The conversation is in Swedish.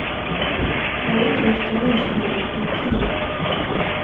Varje torsdag lunchade de på Ikea.